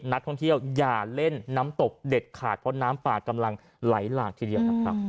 นักท่องเที่ยวอย่าเล่นน้ำตกเด็ดขาดเพราะน้ำป่ากำลังไหลหลากทีเดียวนะครับ